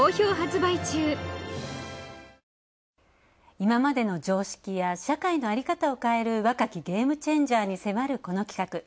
今までの常識や社会の在り方を変える若きゲームチェンジャーに迫るこの企画。